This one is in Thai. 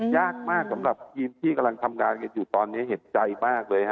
ยากมากสำหรับทีมที่กำลังทำงานกันอยู่ตอนนี้เห็นใจมากเลยฮะ